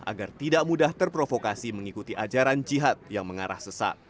agar tidak mudah terprovokasi mengikuti ajaran jihad yang mengarah sesat